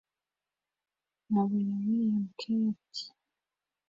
nkabona william kellia ati